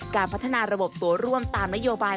การพัฒนาระบบตัวร่วมตามนโยบาย